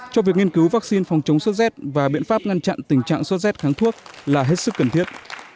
cho việc nghiên cứu vaccine phòng chống sốt z và biện pháp ngăn chặn tình trạng sốt z kháng thuốc là hết sức cần thiết